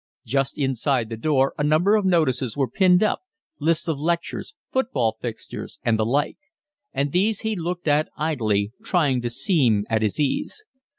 Just inside the door a number of notices were pinned up, lists of lectures, football fixtures, and the like; and these he looked at idly, trying to seem at his ease.